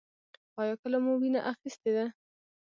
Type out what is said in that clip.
ایا کله مو وینه اخیستې ده؟